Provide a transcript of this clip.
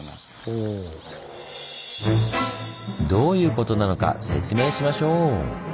どういうことなのか説明しましょう！